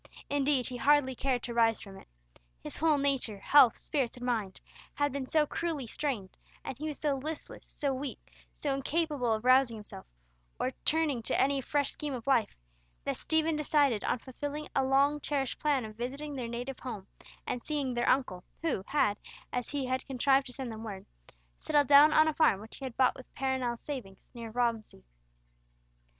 Indeed he hardly cared to rise from it. His whole nature, health, spirits, and mind, had been so cruelly strained, and he was so listless, so weak, so incapable of rousing himself, or turning to any fresh scheme of life, that Stephen decided on fulfilling a long cherished plan of visiting their native home and seeing their uncle, who had, as he had contrived to send them word, settled down on a farm which he had bought with Perronel's savings, near Romsey.